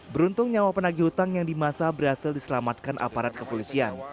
beruntung nyawa penagih utang yang di masa berhasil diselamatkan aparat kepolisian